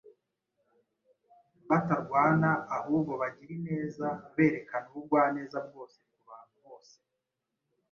batarwana, ahubwo bagira ineza, berekana ubugwaneza bwose ku bantu bose